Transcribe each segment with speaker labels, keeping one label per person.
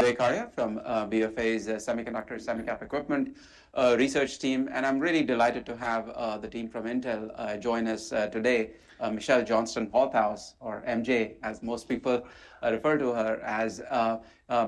Speaker 1: Vivek Arya from BofA's Semiconductor Semicap Equipment Research Team. I am really delighted to have the team from Intel join us today. Michelle Johnston Holthaus, or MJ as most people refer to her, is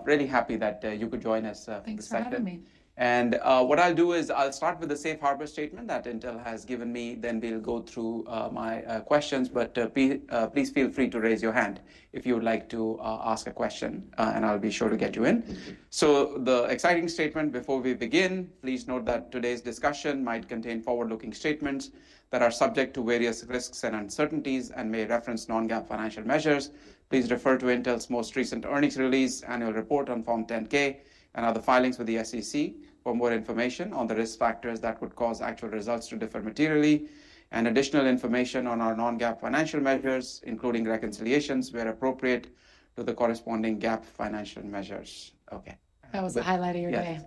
Speaker 1: really happy that you could join us.
Speaker 2: Thanks for having me.
Speaker 1: What I'll do is I'll start with the safe harbor statement that Intel has given me. Then we'll go through my questions. But please feel free to raise your hand if you would like to ask a question, and I'll be sure to get you in. The exciting statement before we begin, please note that today's discussion might contain forward-looking statements that are subject to various risks and uncertainties and may reference non-GAAP financial measures. Please refer to Intel's most recent earnings release, Annual Report on Form 10-K, and other filings with the SEC for more information on the risk factors that would cause actual results to differ materially, and additional information on our non-GAAP financial measures, including reconciliations where appropriate to the corresponding GAAP financial measures. Okay.
Speaker 2: That was the highlight of your day.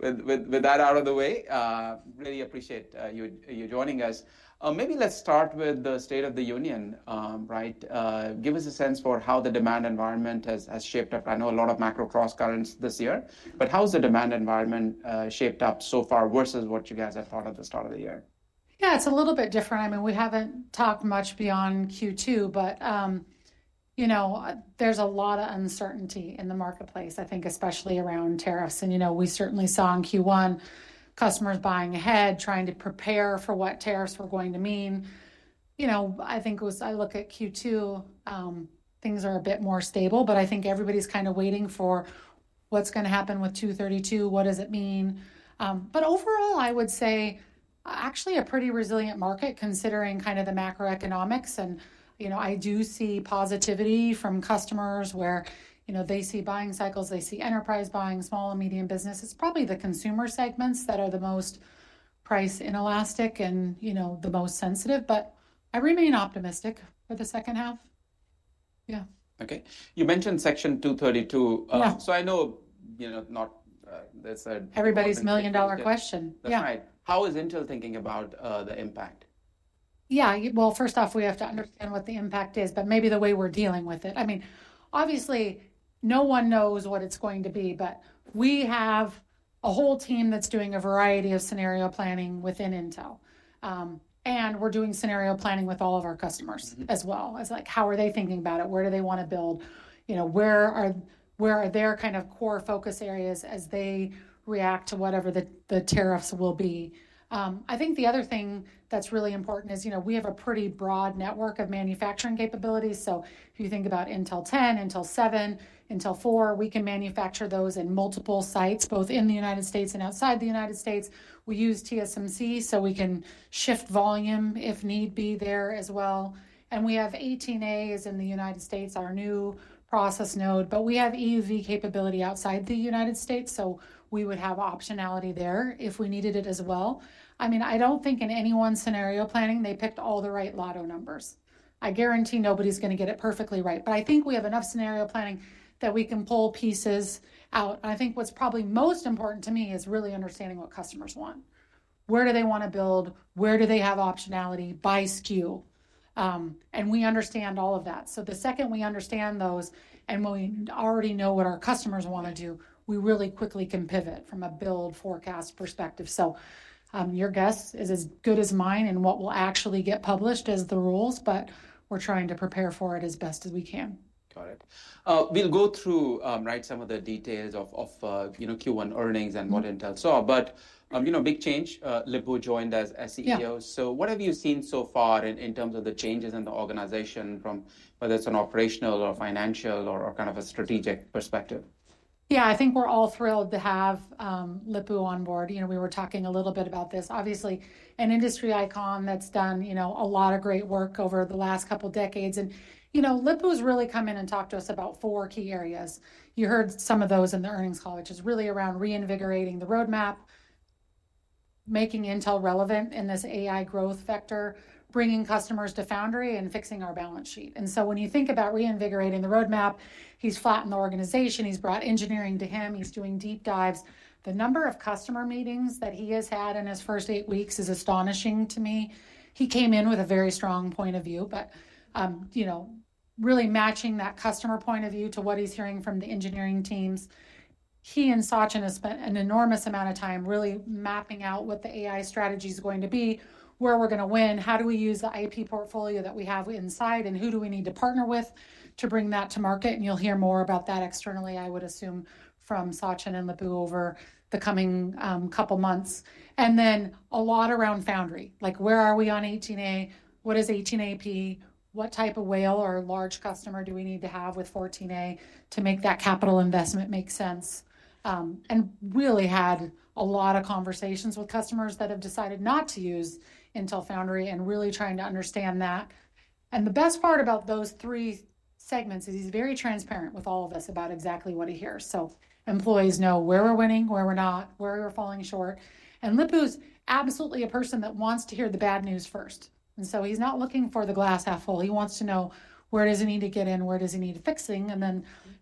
Speaker 1: With that out of the way, I really appreciate you joining us. Maybe let's start with the state of the union, right? Give us a sense for how the demand environment has shaped up. I know a lot of macro cross-currents this year, but how has the demand environment shaped up so far versus what you guys had thought at the start of the year?
Speaker 2: Yeah, it's a little bit different. I mean, we haven't talked much beyond Q2, but there's a lot of uncertainty in the marketplace, I think, especially around tariffs. We certainly saw in Q1 customers buying ahead, trying to prepare for what tariffs were going to mean. You know, I think I look at Q2, things are a bit more stable, but I think everybody's kind of waiting for what's going to happen with Section 232. What does it mean? Overall, I would say actually a pretty resilient market considering kind of the macroeconomics. I do see positivity from customers where they see buying cycles, they see enterprise buying, small and medium business. It's probably the consumer segments that are the most price inelastic and the most sensitive. I remain optimistic for the second half. Yeah.
Speaker 1: Okay. You mentioned Section 232. I know not.
Speaker 2: Everybody's million-dollar question.
Speaker 1: That's right. How is Intel thinking about the impact?
Speaker 2: Yeah. First off, we have to understand what the impact is, but maybe the way we're dealing with it. I mean, obviously, no one knows what it's going to be, but we have a whole team that's doing a variety of scenario planning within Intel. We're doing scenario planning with all of our customers as well. It's like, how are they thinking about it? Where do they want to build? Where are their kind of core focus areas as they react to whatever the tariffs will be? I think the other thing that's really important is we have a pretty broad network of manufacturing capabilities. If you think about Intel 10, Intel 7, Intel 4, we can manufacture those in multiple sites, both in the United States and outside the United States. We use TSMC, so we can shift volume if need be there as well. We have 18A in the United States, our new process node. We have EUV capability outside the United States, so we would have optionality there if we needed it as well. I mean, I do not think in any one scenario planning they picked all the right lotto numbers. I guarantee nobody is going to get it perfectly right. I think we have enough scenario planning that we can pull pieces out. What is probably most important to me is really understanding what customers want. Where do they want to build? Where do they have optionality? By SKU. We understand all of that. The second we understand those and we already know what our customers want to do, we really quickly can pivot from a build forecast perspective. Your guess is as good as mine and what will actually get published as the rules, but we're trying to prepare for it as best as we can.
Speaker 1: Got it. We'll go through some of the details of Q1 earnings and what Intel saw. Big change. Lip-Bu joined as CEO. What have you seen so far in terms of the changes in the organization from whether it's an operational or financial or kind of a strategic perspective?
Speaker 2: Yeah, I think we're all thrilled to have Lip-Bu on board. We were talking a little bit about this. Obviously, an industry icon that's done a lot of great work over the last couple of decades. You know Lip-Bu's really come in and talked to us about four key areas. You heard some of those in the earnings call, which is really around reinvigorating the roadmap, making Intel relevant in this AI growth vector, bringing customers to Foundry and fixing our balance sheet. When you think about reinvigorating the roadmap, he's flattened the organization. He's brought engineering to him. He's doing deep dives. The number of customer meetings that he has had in his first eight weeks is astonishing to me. He came in with a very strong point of view, but really matching that customer point of view to what he's hearing from the engineering teams. He and Sachin have spent an enormous amount of time really mapping out what the AI strategy is going to be, where we're going to win, how do we use the IP portfolio that we have inside, and who do we need to partner with to bring that to market? You will hear more about that externally, I would assume, from Sachin and Lip-Bu over the coming couple of months. A lot around Foundry, like where are we on 18A? What is 18A-P? What type of whale or large customer do we need to have with 14A to make that capital investment make sense? Really had a lot of conversations with customers that have decided not to use Intel Foundry and really trying to understand that. The best part about those three segments is he is very transparent with all of us about exactly what he hears. Employees know where we're winning, where we're not, where we're falling short. Lip-Bu's absolutely a person that wants to hear the bad news first. He's not looking for the glass half full. He wants to know where does he need to get in, where does he need fixing.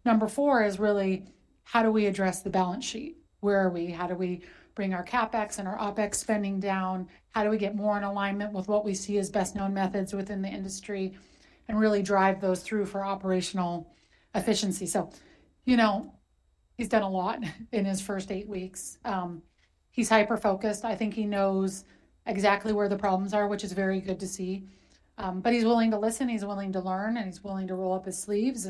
Speaker 2: Number four is really how do we address the balance sheet? Where are we? How do we bring our CapEx and our OpEx spending down? How do we get more in alignment with what we see as best-known methods within the industry and really drive those through for operational efficiency? He's done a lot in his first eight weeks. He's hyper-focused. I think he knows exactly where the problems are, which is very good to see. He's willing to listen. He's willing to learn, and he's willing to roll up his sleeves.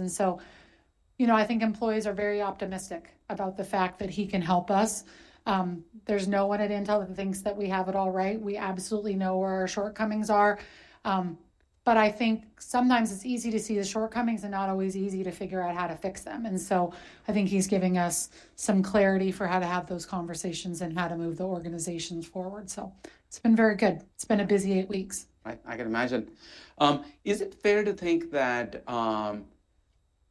Speaker 2: I think employees are very optimistic about the fact that he can help us. There is no one at Intel that thinks that we have it all right. We absolutely know where our shortcomings are. I think sometimes it is easy to see the shortcomings and not always easy to figure out how to fix them. I think he is giving us some clarity for how to have those conversations and how to move the organizations forward. It has been very good. It has been a busy eight weeks.
Speaker 1: I can imagine. Is it fair to think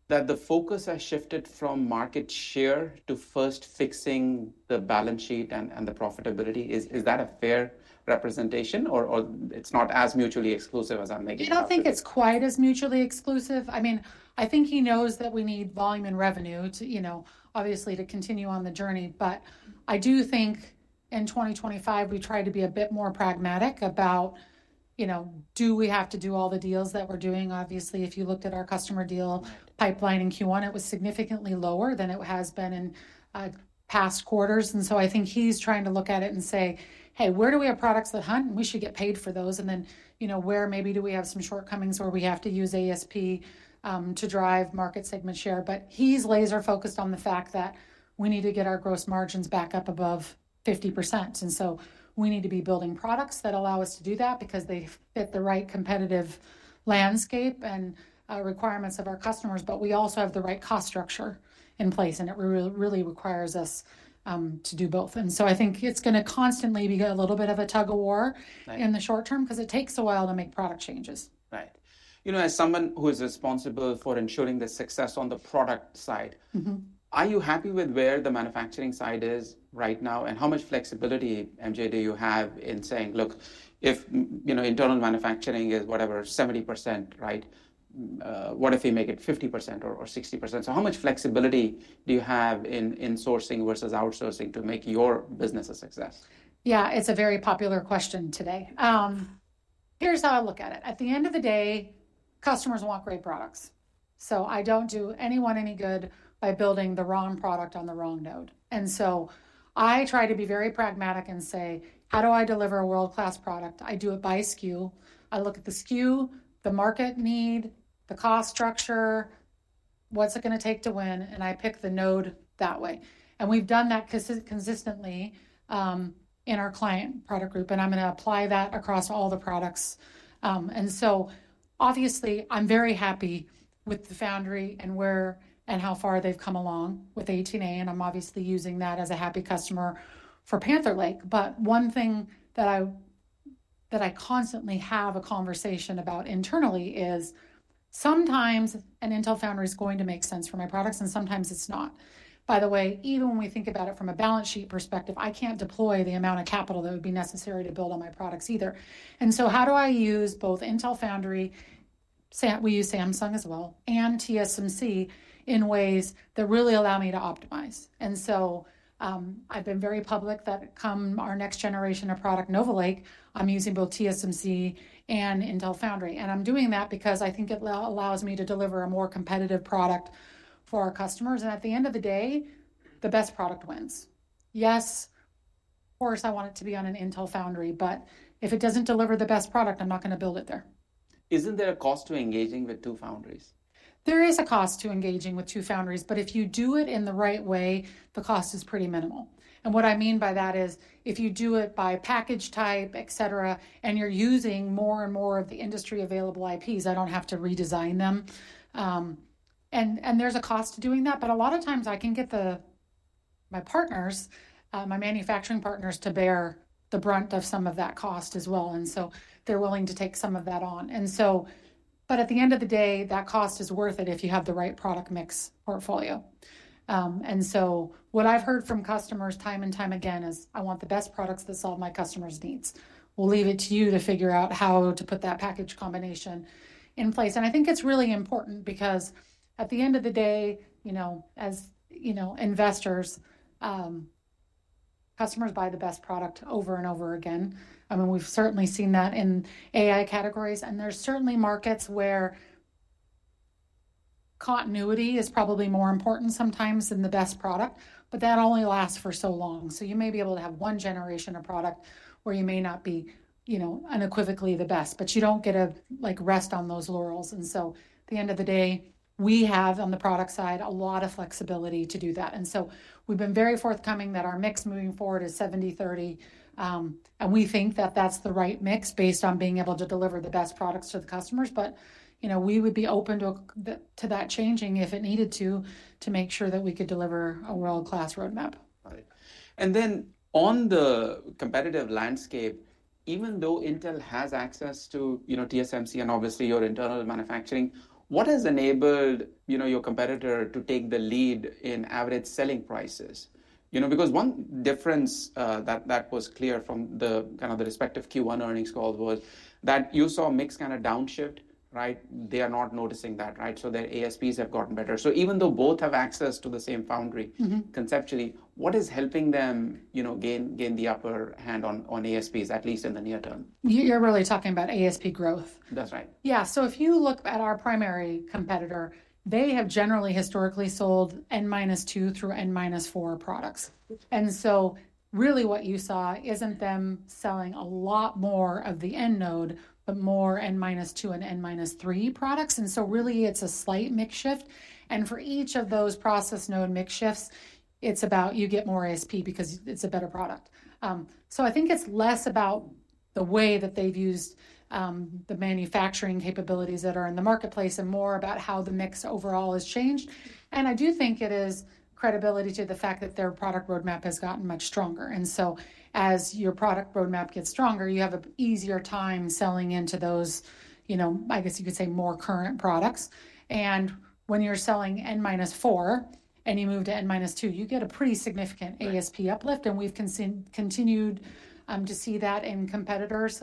Speaker 1: that the focus has shifted from market share to first fixing the balance sheet and the profitability? Is that a fair representation or it's not as mutually exclusive as I'm making it?
Speaker 2: I don't think it's quite as mutually exclusive. I mean, I think he knows that we need volume and revenue, obviously, to continue on the journey. I do think in 2025, we try to be a bit more pragmatic about do we have to do all the deals that we're doing. Obviously, if you looked at our customer deal pipeline in Q1, it was significantly lower than it has been in past quarters. I think he's trying to look at it and say, "Hey, where do we have products that hunt? We should get paid for those." Where maybe do we have some shortcomings where we have to use ASP to drive market segment share. He's laser-focused on the fact that we need to get our gross margins back up above 50%. We need to be building products that allow us to do that because they fit the right competitive landscape and requirements of our customers, but we also have the right cost structure in place. It really requires us to do both. I think it's going to constantly be a little bit of a tug-of-war in the short term because it takes a while to make product changes.
Speaker 1: Right. You know, as someone who is responsible for ensuring the success on the product side, are you happy with where the manufacturing side is right now? How much flexibility, MJ, do you have in saying, "Look, if internal manufacturing is whatever, 70%, right? What if we make it 50% or 60%?" How much flexibility do you have in sourcing versus outsourcing to make your business a success?
Speaker 2: Yeah, it's a very popular question today. Here's how I look at it. At the end of the day, customers want great products. I don't do anyone any good by building the wrong product on the wrong node. I try to be very pragmatic and say, "How do I deliver a world-class product?" I do it by SKU. I look at the SKU, the market need, the cost structure, what's it going to take to win, and I pick the node that way. We've done that consistently in our client product group, and I'm going to apply that across all the products. Obviously, I'm very happy with the Foundry and where and how far they've come along with 18A, and I'm obviously using that as a happy customer for Panther Lake. One thing that I constantly have a conversation about internally is sometimes an Intel Foundry is going to make sense for my products, and sometimes it's not. By the way, even when we think about it from a balance sheet perspective, I can't deploy the amount of capital that would be necessary to build on my products either. How do I use both Intel Foundry? We use Samsung as well and TSMC in ways that really allow me to optimize. I have been very public that come our next generation of product, Nova Lake, I'm using both TSMC and Intel Foundry. I'm doing that because I think it allows me to deliver a more competitive product for our customers. At the end of the day, the best product wins. Yes, of course, I want it to be on an Intel Foundry, but if it doesn't deliver the best product, I'm not going to build it there.
Speaker 1: Isn't there a cost to engaging with two foundries?
Speaker 2: There is a cost to engaging with two foundries, but if you do it in the right way, the cost is pretty minimal. What I mean by that is if you do it by package type, etc., and you're using more and more of the industry available IPs, I don't have to redesign them. There's a cost to doing that. A lot of times I can get my partners, my manufacturing partners, to bear the brunt of some of that cost as well. They're willing to take some of that on. At the end of the day, that cost is worth it if you have the right product mix portfolio. What I've heard from customers time and time again is, "I want the best products that solve my customers' needs. We'll leave it to you to figure out how to put that package combination in place. I think it's really important because at the end of the day, as investors, customers buy the best product over and over again. I mean, we've certainly seen that in AI categories. There's certainly markets where continuity is probably more important sometimes than the best product, but that only lasts for so long. You may be able to have one generation of product where you may not be unequivocally the best, but you don't get a rest on those laurels. At the end of the day, we have on the product side a lot of flexibility to do that. We've been very forthcoming that our mix moving forward is 70/30. We think that that's the right mix based on being able to deliver the best products to the customers. We would be open to that changing if it needed to, to make sure that we could deliver a world-class roadmap.
Speaker 1: Right. On the competitive landscape, even though Intel has access to TSMC and obviously your internal manufacturing, what has enabled your competitor to take the lead in average selling prices? One difference that was clear from the kind of the respective Q1 earnings call was that you saw a mix kind of downshift, right? They are not noticing that, right? Their ASPs have gotten better. Even though both have access to the same foundry conceptually, what is helping them gain the upper hand on ASPs, at least in the near term?
Speaker 2: You're really talking about ASP growth.
Speaker 1: That's right.
Speaker 2: Yeah. If you look at our primary competitor, they have generally historically sold N-2 through N-4 products. What you saw is not them selling a lot more of the end node, but more N-2 and N-3 products. It is a slight mix shift. For each of those process node mix shifts, you get more ASP because it is a better product. I think it is less about the way that they have used the manufacturing capabilities that are in the marketplace and more about how the mix overall has changed. I do think it is credibility to the fact that their product roadmap has gotten much stronger. As your product roadmap gets stronger, you have an easier time selling into those, I guess you could say, more current products. When you're selling N-4 and you move to N-2, you get a pretty significant ASP uplift. We've continued to see that in competitors.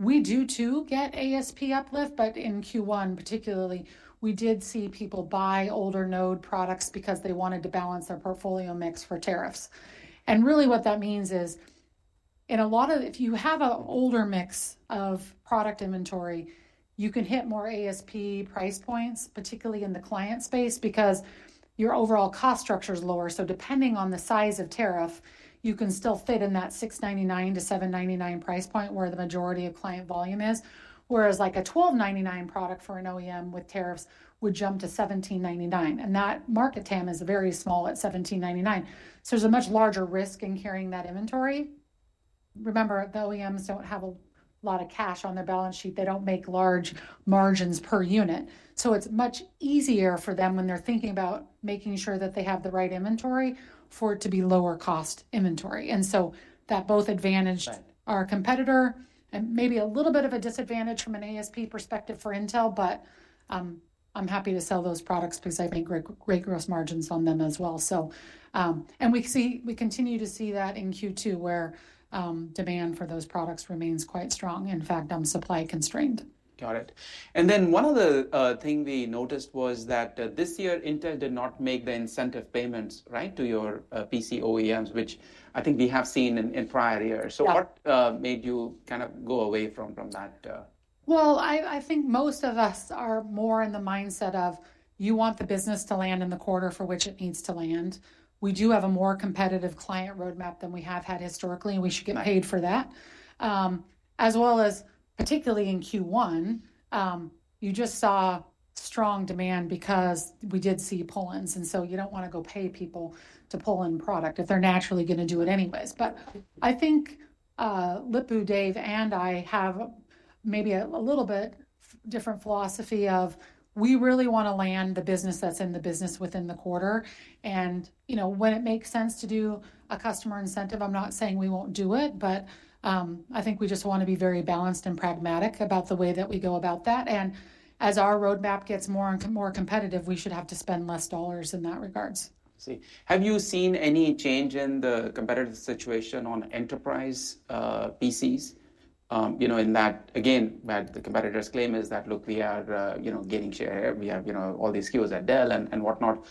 Speaker 2: We do too get ASP uplift, but in Q1, particularly, we did see people buy older node products because they wanted to balance their portfolio mix for tariffs. What that means is, if you have an older mix of product inventory, you can hit more ASP price points, particularly in the client space because your overall cost structure is lower. Depending on the size of tariff, you can still fit in that $699-$799 price point where the majority of client volume is. For example, a $1,299 product for an OEM with tariffs would jump to $1,799. That market TAM is very small at $1,799. There's a much larger risk in carrying that inventory. Remember, the OEMs do not have a lot of cash on their balance sheet. They do not make large margins per unit. It is much easier for them when they are thinking about making sure that they have the right inventory for it to be lower cost inventory. That both advantaged our competitor and maybe a little bit of a disadvantage from an ASP perspective for Intel, but I am happy to sell those products because I make great gross margins on them as well. We continue to see that in Q2 where demand for those products remains quite strong. In fact, I am supply-constrained.
Speaker 1: Got it. One of the things we noticed was that this year, Intel did not make the incentive payments, right, to your PC OEMs, which I think we have seen in prior years. What made you kind of go away from that?
Speaker 2: I think most of us are more in the mindset of you want the business to land in the quarter for which it needs to land. We do have a more competitive client roadmap than we have had historically, and we should get paid for that. As well as particularly in Q1, you just saw strong demand because we did see pull-ins. You do not want to go pay people to pull in product if they are naturally going to do it anyways. I think Lip-Bu, Dave, and I have maybe a little bit different philosophy of we really want to land the business that is in the business within the quarter. When it makes sense to do a customer incentive, I am not saying we will not do it, but I think we just want to be very balanced and pragmatic about the way that we go about that. And as our roadmap gets more and more competitive, we should have to spend less dollars in that regard.
Speaker 1: I see. Have you seen any change in the competitive situation on enterprise PCs? In that, again, the competitors' claim is that, "Look, we are gaining share. We have all these SKUs at Dell and whatnot."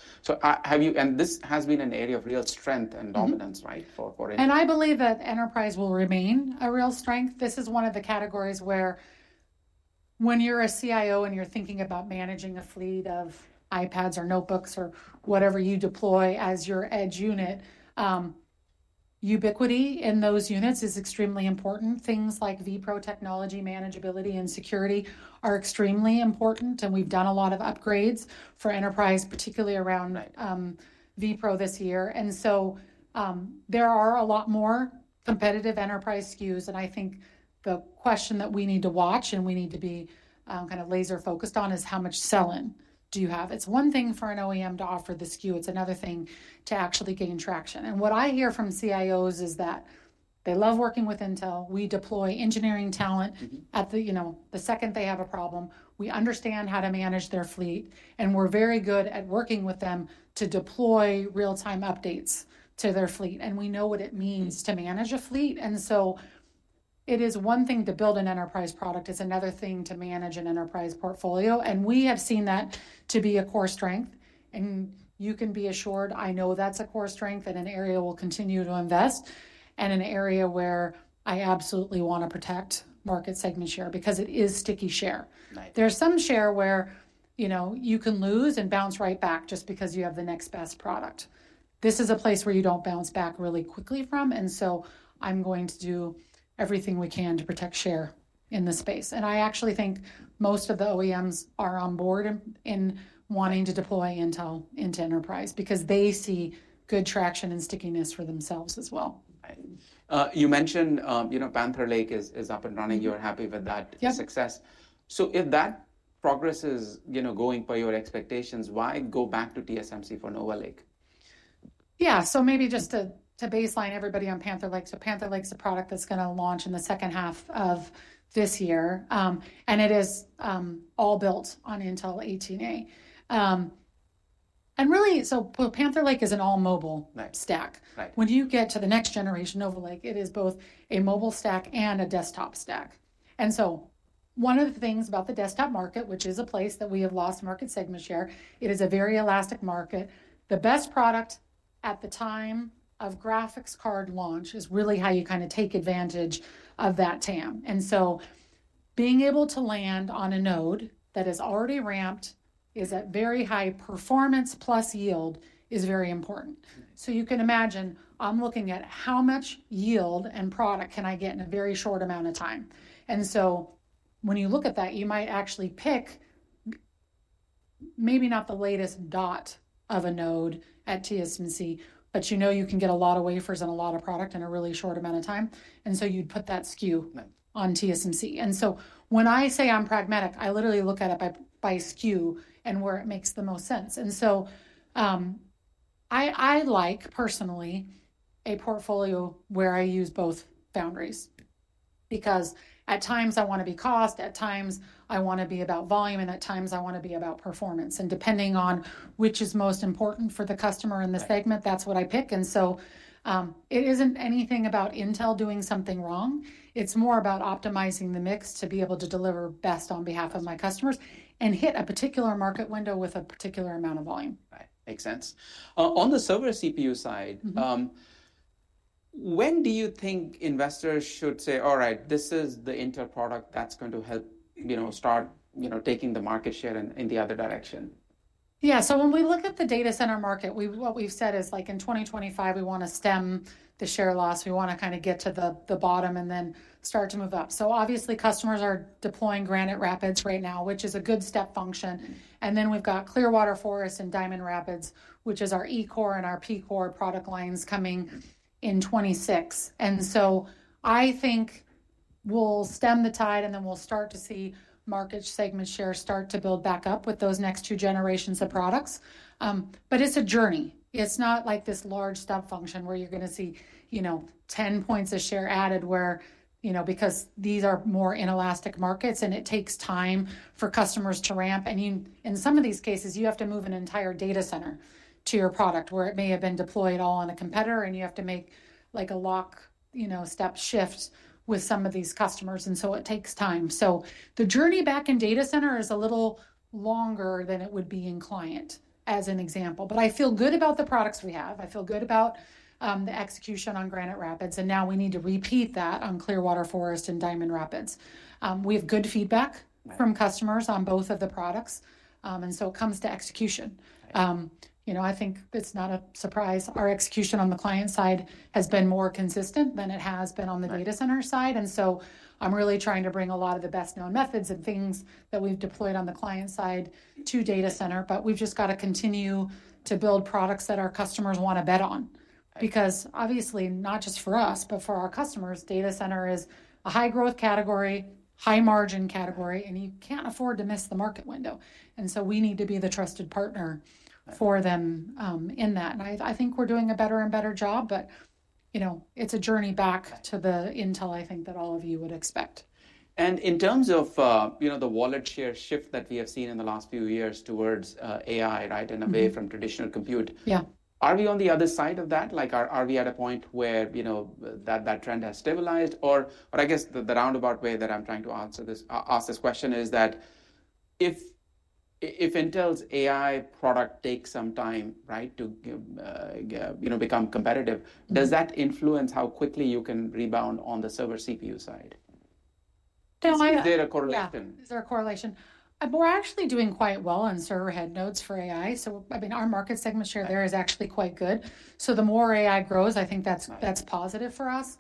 Speaker 1: Have you, and this has been an area of real strength and dominance, right, for Intel?
Speaker 2: I believe that enterprise will remain a real strength. This is one of the categories where when you're a CIO and you're thinking about managing a fleet of iPads or notebooks or whatever you deploy as your edge unit, ubiquity in those units is extremely important. Things like vPRO technology, manageability, and security are extremely important. We've done a lot of upgrades for enterprise, particularly around vPRO this year. There are a lot more competitive enterprise SKUs. I think the question that we need to watch and we need to be kind of laser-focused on is how much selling do you have? It's one thing for an OEM to offer the SKU. It's another thing to actually gain traction. What I hear from CIOs is that they love working with Intel. We deploy engineering talent. The second they have a problem, we understand how to manage their fleet. We are very good at working with them to deploy real-time updates to their fleet. We know what it means to manage a fleet. It is one thing to build an enterprise product. It is another thing to manage an enterprise portfolio. We have seen that to be a core strength. You can be assured, I know that is a core strength and an area we will continue to invest in and an area where I absolutely want to protect market segment share because it is sticky share. There is some share where you can lose and bounce right back just because you have the next best product. This is a place where you do not bounce back really quickly from. I am going to do everything we can to protect share in the space. I actually think most of the OEMs are on board in wanting to deploy Intel into enterprise because they see good traction and stickiness for themselves as well.
Speaker 1: You mentioned Panther Lake is up and running. You're happy with that success. If that progress is going by your expectations, why go back to TSMC for Nova Lake?
Speaker 2: Yeah. Maybe just to baseline everybody on Panther Lake. Panther Lake is a product that's going to launch in the second half of this year. It is all built on Intel 18A. Really, Panther Lake is an all-mobile stack. When you get to the next generation Nova Lake, it is both a mobile stack and a desktop stack. And so one of the things about the desktop market, which is a place that we have lost market segment share, is it is a very elastic market. The best product at the time of graphics card launch is really how you kind of take advantage of that TAM. And so being able to land on a node that is already ramped, is at very high performance plus yield, is very important. You can imagine I'm looking at how much yield and product can I get in a very short amount of time. When you look at that, you might actually pick maybe not the latest dot of a node at TSMC, but you know you can get a lot of wafers and a lot of product in a really short amount of time. You'd put that SKU on TSMC. And so when I say I'm pragmatic, I literally look at it by SKU and where it makes the most sense. I like personally a portfolio where I use both foundries because at times I want to be cost, at times I want to be about volume, and at times I want to be about performance. Depending on which is most important for the customer in the segment, that's what I pick. And so it is not anything about Intel doing something wrong. It is more about optimizing the mix to be able to deliver best on behalf of my customers and hit a particular market window with a particular amount of volume.
Speaker 1: Right. Makes sense. On the server CPU side, when do you think investors should say, "All right, this is the Intel product that's going to help start taking the market share in the other direction?
Speaker 2: Yeah. So when we look at the data center market, what we've said is like in 2025, we want to stem the share loss. We want to kind of get to the bottom and then start to move up. Obviously customers are deploying Granite Rapids right now, which is a good step function. Then we've got Clearwater Forest and Diamond Rapids, which is our E-core and our P-core product lines coming in 2026. I think we'll stem the tide and then we'll start to see market segment share start to build back up with those next two generations of products. It is a journey. It's not like this large step function where you're going to see 10 points of share added because these are more inelastic markets and it takes time for customers to ramp. In some of these cases, you have to move an entire data center to your product where it may have been deployed all on a competitor and you have to make like a lock step shift with some of these customers. It takes time. The journey back in data center is a little longer than it would be in client, as an example. I feel good about the products we have. I feel good about the execution on Granite Rapids. Now we need to repeat that on Clearwater Forest and Diamond Rapids. We have good feedback from customers on both of the products. It comes to execution. I think it's not a surprise. Our execution on the client side has been more consistent than it has been on the data center side. I am really trying to bring a lot of the best-known methods and things that we have deployed on the client side to data center, but we just have to continue to build products that our customers want to bet on. Obviously, not just for us, but for our customers, data center is a high-growth category, high-margin category, and you cannot afford to miss the market window. We need to be the trusted partner for them in that. I think we are doing a better and better job, but it is a journey back to the Intel, I think, that all of you would expect.
Speaker 1: In terms of the wallet share shift that we have seen in the last few years towards AI, right, and away from traditional compute, are we on the other side of that? Are we at a point where that trend has stabilized? I guess the roundabout way that I'm trying to ask this question is that if Intel's AI product takes some time to become competitive, does that influence how quickly you can rebound on the server CPU side? Is there a correlation?
Speaker 2: Yeah. Is there a correlation? We're actually doing quite well on server head nodes for AI. I mean, our market segment share there is actually quite good. The more AI grows, I think that's positive for us.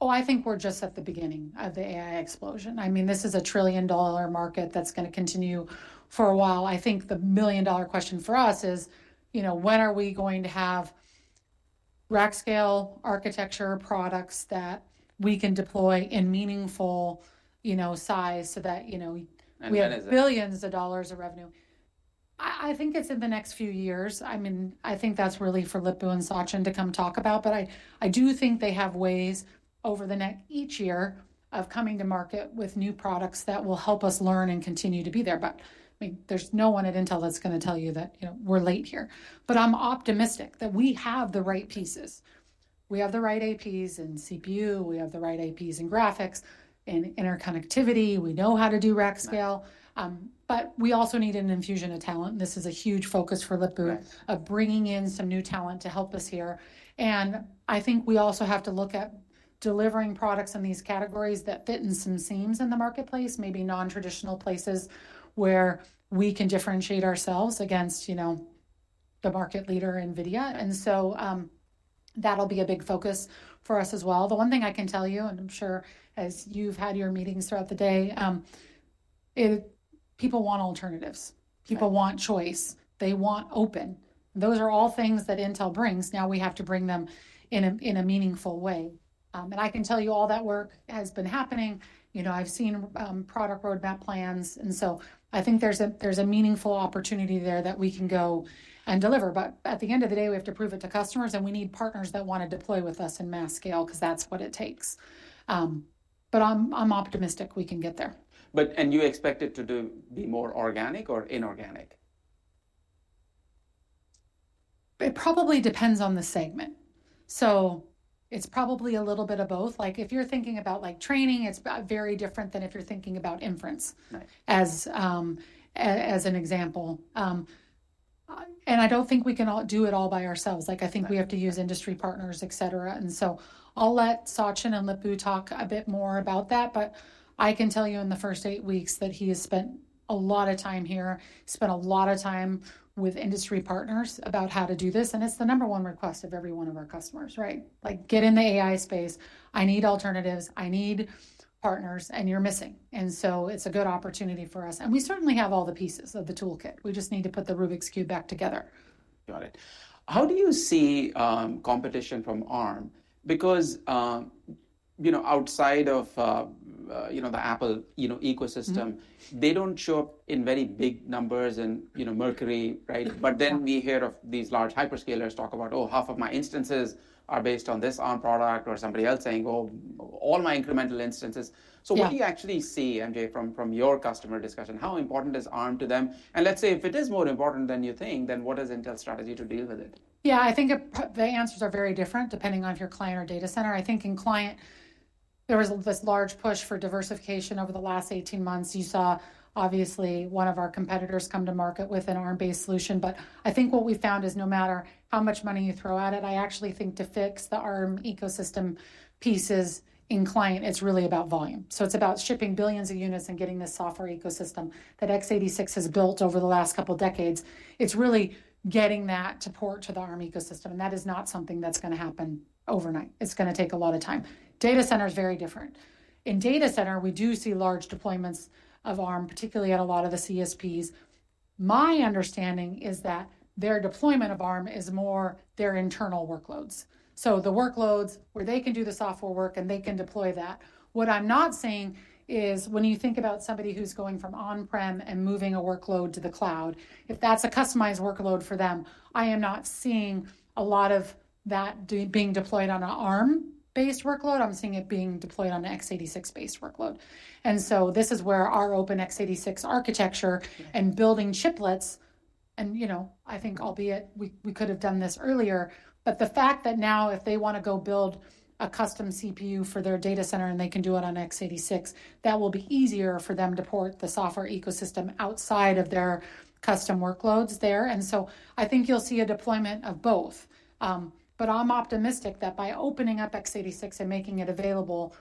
Speaker 2: Oh, I think we're just at the beginning of the AI explosion. I mean, this is a trillion-dollar market that's going to continue for a while. I think the million-dollar question for us is, when are we going to have rack scale architecture products that we can deploy in meaningful size so that we have billions of dollars of revenue? I think it's in the next few years. I mean, I think that's really for Lip-Bu and Sachin to come talk about, but I do think they have ways over the next each year of coming to market with new products that will help us learn and continue to be there. I mean, there's no one at Intel that's going to tell you that we're late here. I'm optimistic that we have the right pieces. We have the right APs in CPU. We have the right APs in graphics and interconnectivity. We know how to do rack scale. We also need an infusion of talent. This is a huge focus for Lip-Bu of bringing in some new talent to help us here. I think we also have to look at delivering products in these categories that fit in some seams in the marketplace, maybe non-traditional places where we can differentiate ourselves against the market leader, NVIDIA. That'll be a big focus for us as well. The one thing I can tell you, and I'm sure as you've had your meetings throughout the day, people want alternatives. People want choice. They want open. Those are all things that Intel brings. Now we have to bring them in a meaningful way. I can tell you all that work has been happening. I've seen product roadmap plans. I think there's a meaningful opportunity there that we can go and deliver. At the end of the day, we have to prove it to customers. We need partners that want to deploy with us in mass scale because that's what it takes. I'm optimistic we can get there.
Speaker 1: Do you expect it to be more organic or inorganic?
Speaker 2: It probably depends on the segment. It is probably a little bit of both. Like if you are thinking about training, it is very different than if you are thinking about inference, as an example. I do not think we can do it all by ourselves. I think we have to use industry partners, etc. I will let Sachin and Lip-Bu talk a bit more about that. I can tell you in the first eight weeks that he has spent a lot of time here, spent a lot of time with industry partners about how to do this. It is the number one request of every one of our customers, right? Like get in the AI space. I need alternatives. I need partners. You are missing. It is a good opportunity for us. We certainly have all the pieces of the toolkit. We just need to put the Rubik's Cube back together.
Speaker 1: Got it. How do you see competition from ARM? Because outside of the Apple ecosystem, they do not show up in very big numbers in Mercury, right? We hear of these large hyperscalers talk about, "Oh, half of my instances are based on this ARM product," or somebody else saying, "Oh, all my incremental instances." What do you actually see, MJ, from your customer discussion? How important is ARM to them? Let's say if it is more important than you think, what is Intel's strategy to deal with it?
Speaker 2: Yeah, I think the answers are very different depending on if you're a client or data center. I think in client, there was this large push for diversification over the last 18 months. You saw obviously one of our competitors come to market with an ARM-based solution. I think what we found is no matter how much money you throw at it, I actually think to fix the ARM ecosystem pieces in client, it's really about volume. It is about shipping billions of units and getting the software ecosystem that x86 has built over the last couple of decades. It's really getting that to port to the ARM ecosystem. That is not something that's going to happen overnight. It's going to take a lot of time. Data center is very different. In data center, we do see large deployments of ARM, particularly at a lot of the CSPs. My understanding is that their deployment of ARM is more their internal workloads. The workloads where they can do the software work and they can deploy that. What I am not seeing is when you think about somebody who is going from on-prem and moving a workload to the cloud, if that is a customized workload for them, I am not seeing a lot of that being deployed on an ARM-based workload. I am seeing it being deployed on an x86-based workload. This is where our open x86 architecture and building chiplets. I think albeit we could have done this earlier, the fact that now if they want to go build a custom CPU for their data center and they can do it on x86, that will be easier for them to port the software ecosystem outside of their custom workloads there. I think you'll see a deployment of both. I'm optimistic that by opening up x86 and making it available,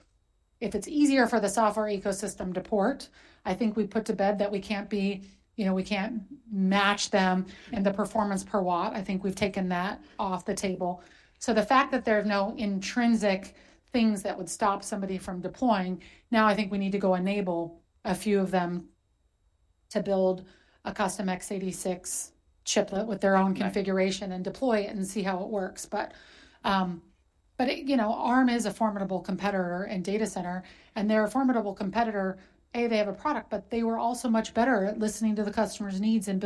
Speaker 2: if it's easier for the software ecosystem to port, I think we put to bed that we can't match them in the performance per watt. I think we've taken that off the table. The fact that there are no intrinsic things that would stop somebody from deploying, now I think we need to go enable a few of them to build a custom x86 chiplet with their own configuration and deploy it and see how it works. ARM is a formidable competitor in data center. They're a formidable competitor. They have a product, but they were also much better at listening to the customer's needs and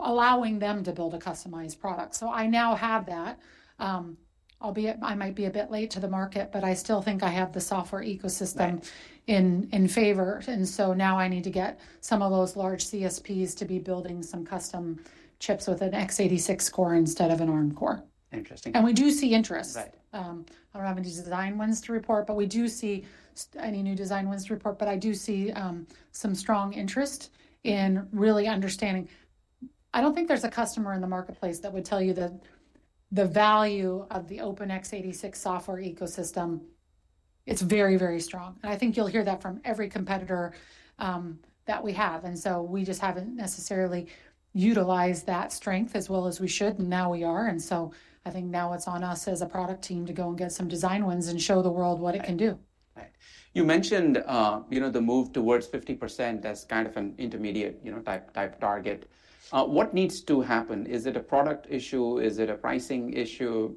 Speaker 2: allowing them to build a customized product. I now have that. Albeit I might be a bit late to the market, I still think I have the software ecosystem in favor. Now I need to get some of those large CSPs to be building some custom chips with an x86 core instead of an ARM core. We do see interest. I do not have any new design wins to report, but I do see some strong interest in really understanding. I do not think there is a customer in the marketplace that would tell you that the value of the open x86 software ecosystem is not very, very strong. I think you will hear that from every competitor that we have. We just have not necessarily utilized that strength as well as we should, and now we are. I think now it's on us as a product team to go and get some design wins and show the world what it can do.
Speaker 1: You mentioned the move towards 50% as kind of an intermediate type target. What needs to happen? Is it a product issue? Is it a pricing issue?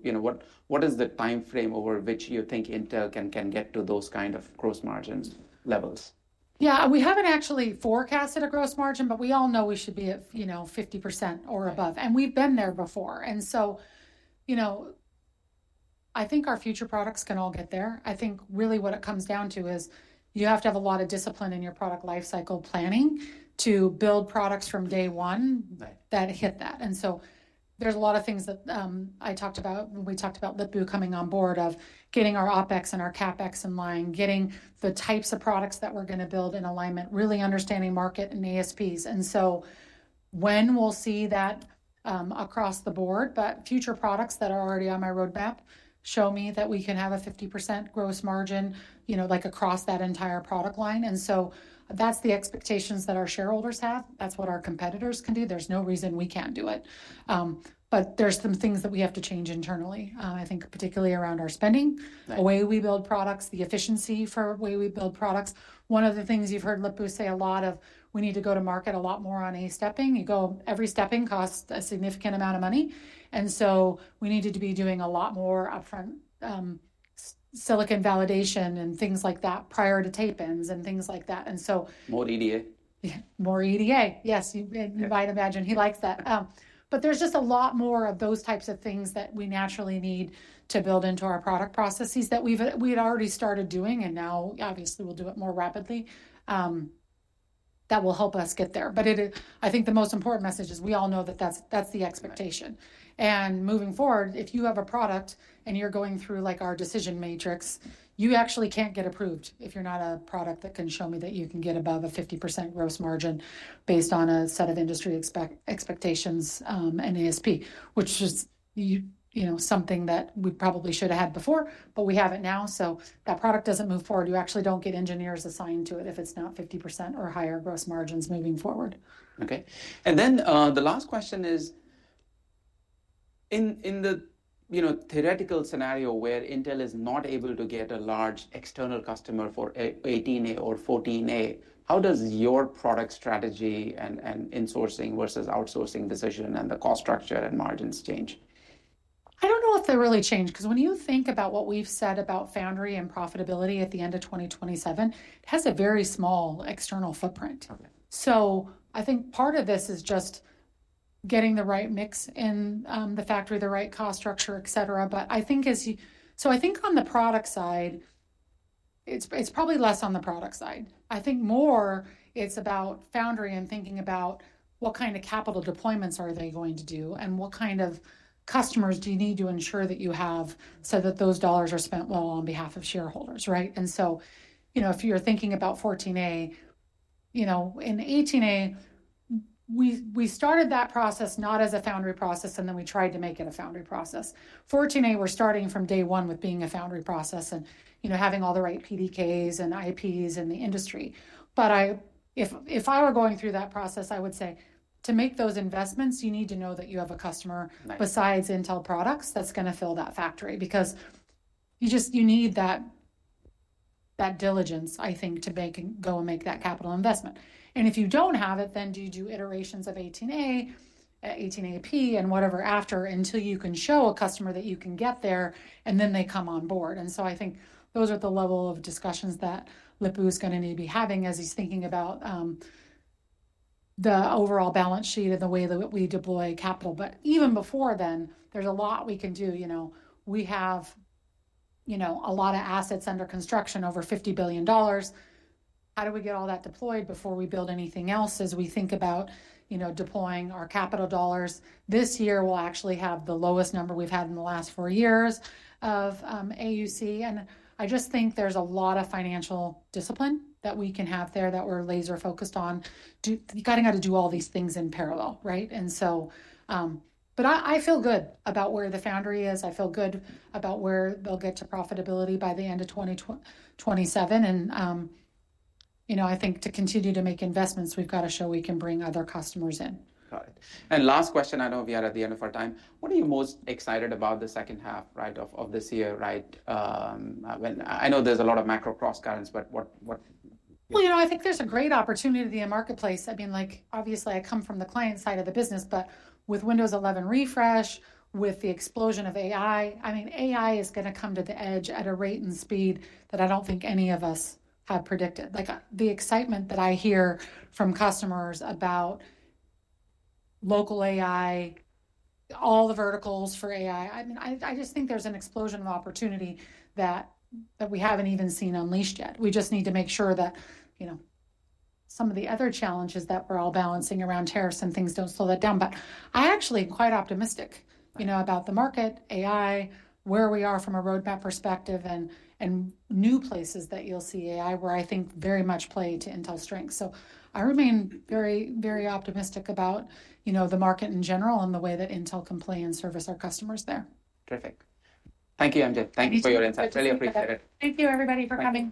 Speaker 1: What is the timeframe over which you think Intel can get to those kind of gross margins levels?
Speaker 2: Yeah. We haven't actually forecasted a gross margin, but we all know we should be at 50% or above. We've been there before. I think our future products can all get there. I think really what it comes down to is you have to have a lot of discipline in your product lifecycle planning to build products from day one that hit that. There are a lot of things that I talked about when we talked about Lip-Bu coming on board of getting our OpEx and our CapEx in line, getting the types of products that we're going to build in alignment, really understanding market and ASPs. We'll see that across the board, but future products that are already on my roadmap show me that we can have a 50% gross margin like across that entire product line. That's the expectations that our shareholders have. That's what our competitors can do. There's no reason we can't do it. There are some things that we have to change internally, I think, particularly around our spending, the way we build products, the efficiency for the way we build products. One of the things you've heard Lip-Bu say a lot of, we need to go to market a lot more on a stepping. Every stepping costs a significant amount of money. We needed to be doing a lot more upfront silicon validation and things like that prior to tape ends and things like that.
Speaker 1: More EDA?
Speaker 2: Yeah. More EDA. Yes. You might imagine he likes that. There is just a lot more of those types of things that we naturally need to build into our product processes that we had already started doing. Now, obviously, we will do it more rapidly. That will help us get there. I think the most important message is we all know that is the expectation. Moving forward, if you have a product and you are going through our decision matrix, you actually cannot get approved if you are not a product that can show me that you can get above a 50% gross margin based on a set of industry expectations and ASP, which is something that we probably should have had before, but we have it now. That product does not move forward. You actually don't get engineers assigned to it if it's not 50% or higher gross margins moving forward.
Speaker 1: Okay. The last question is, in the theoretical scenario where Intel is not able to get a large external customer for 18A or 14A, how does your product strategy and insourcing versus outsourcing decision and the cost structure and margins change?
Speaker 2: I do not know if they really change. Because when you think about what we have said about foundry and profitability at the end of 2027, it has a very small external footprint. I think part of this is just getting the right mix in the factory, the right cost structure, etc. I think on the product side, it is probably less on the product side. I think more it is about foundry and thinking about what kind of capital deployments are they going to do and what kind of customers do you need to ensure that you have so that those dollars are spent well on behalf of shareholders, right? If you are thinking about 14A, in 18A, we started that process not as a foundry process, and then we tried to make it a foundry process. 14A, we're starting from day one with being a foundry process and having all the right PDKs and IPs in the industry. If I were going through that process, I would say to make those investments, you need to know that you have a customer besides Intel products that's going to fill that factory because you need that diligence, I think, to go and make that capital investment. If you do not have it, do you do iterations of 18A, 18A-P, and whatever after until you can show a customer that you can get there and then they come on board? I think those are the level of discussions that Lip-Bu is going to need to be having as he's thinking about the overall balance sheet and the way that we deploy capital. Even before then, there's a lot we can do. We have a lot of assets under construction, over $50 billion. How do we get all that deployed before we build anything else as we think about deploying our capital dollars? This year, we'll actually have the lowest number we've had in the last four years of AUC. I just think there's a lot of financial discipline that we can have there that we're laser-focused on. You've got to do all these things in parallel, right? I feel good about where the foundry is. I feel good about where they'll get to profitability by the end of 2027. I think to continue to make investments, we've got to show we can bring other customers in.
Speaker 1: Got it. Last question, I know we are at the end of our time. What are you most excited about the second half, right, of this year, right? I know there is a lot of macro cross currents, but what?
Speaker 2: I think there's a great opportunity in the marketplace. I mean, like obviously, I come from the client side of the business, but with Windows 11 refresh, with the explosion of AI, I mean, AI is going to come to the edge at a rate and speed that I don't think any of us have predicted. Like the excitement that I hear from customers about local AI, all the verticals for AI, I mean, I just think there's an explosion of opportunity that we haven't even seen unleashed yet. We just need to make sure that some of the other challenges that we're all balancing around tariffs and things don't slow that down. I actually am quite optimistic about the market, AI, where we are from a roadmap perspective, and new places that you'll see AI where I think very much play to Intel's strengths. I remain very, very optimistic about the market in general and the way that Intel can play and service our customers there.
Speaker 1: Terrific. Thank you, MJ. Thank you for your insights. Really appreciate it.
Speaker 2: Thank you, everybody, for coming.